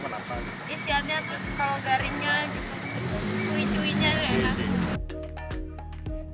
isiannya terus kalau garingnya cuy cuyenya enak